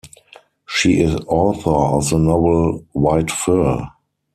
She is author of the novel "White Fur".